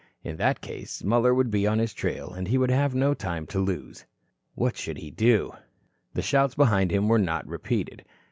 In that case, Muller would be on his trail and he would have no time to lose. What should he do? The shouts behind him were not repeated.